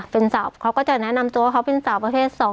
เป็นสาวเขาก็จะแนะนำตัวว่าเขาเป็นสาวประเภท๒